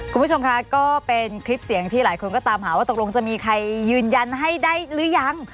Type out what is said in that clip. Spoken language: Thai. คุณผู้ชมคะก็เป็นคลิปเสียงที่หลายคนก็ตามหาว่าตกลงจะมีใครยืนยันให้ได้หรือยัง